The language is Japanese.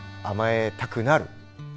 甘えたくなる。